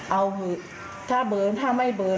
เอาถ้าเบลอถ้าไม่เบลอ